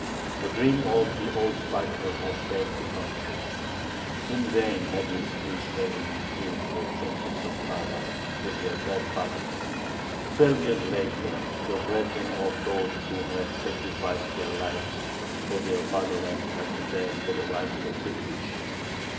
The dream of the old fighter had failed to come true. In vain had his "Jewish regiment" filled the trenches of Praga with their dead bodies. Twelve years later the brethren of those who had sacrificed their lives for their fatherland had to beg for the rights of citizenship.